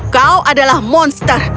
kau adalah monster